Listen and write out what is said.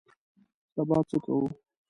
سبا څه کوو؟